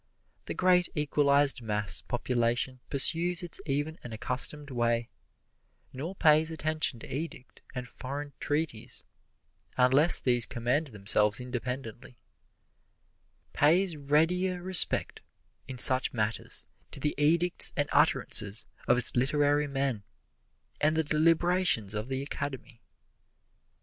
The great equalized mass population pursues its even and accustomed way, nor pays attention to edicts and foreign treaties, unless these commend themselves independently; Pays readier respect, in such matters, to the edicts and utterances of its literary men, and the deliberations of the Academy.